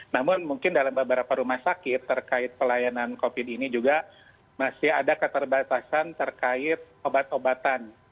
namun mungkin dalam beberapa rumah sakit terkait pelayanan covid ini juga masih ada keterbatasan terkait obat obatan